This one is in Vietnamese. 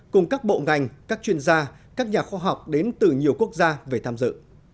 cùng các bộ ngành các chuyên gia các nhà khoa học đến từ nhiều quốc gia về tham dự